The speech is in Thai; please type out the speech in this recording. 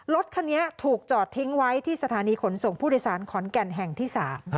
รถคันนี้ถูกจอดทิ้งไว้ที่สถานีขนส่งผู้โดยสารขอนแก่นแห่งที่๓